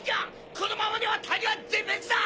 このままでは谷は全滅だ！